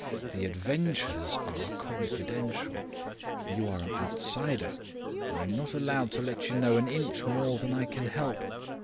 The Adventures are confidential; you are an outsider; I am not allowed to let you know an inch more than I can help.